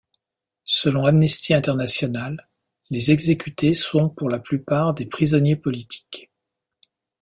Selon Amnesty International, les exécutés sont pour la plupart des prisonniers politiques.